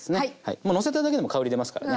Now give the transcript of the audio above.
もうのせただけでも香り出ますからね。